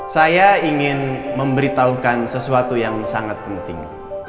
saya ingin memberitahukan sesuatu yang sangat penting